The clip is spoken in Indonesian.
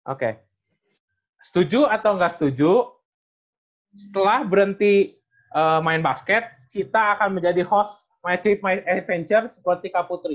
oke setuju atau nggak setuju setelah berhenti main basket sita akan menjadi host my trip my adventure seperti kak putri